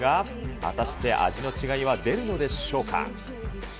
果たして味の違いは出るのでしょうか？